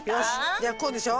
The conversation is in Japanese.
じゃあこうでしょ。